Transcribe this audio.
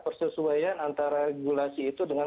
persesuaian antara regulasi itu dengan